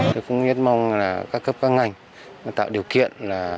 tôi cũng rất mong là các cấp các ngành tạo điều kiện